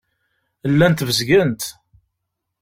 Llant bezgent.